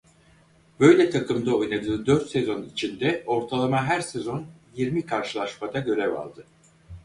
Böyle takım'da oynadığı dört sezon içinde ortalama her sezon yirmi karşılaşmada görev aldı.